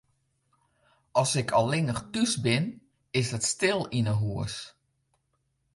As ik allinnich thús bin, is it stil yn 'e hûs.